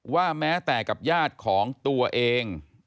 แม้แต่กับญาติของตัวเอง